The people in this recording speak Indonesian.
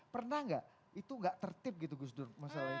pernah gak itu gak tertib gitu gus dur masalah itu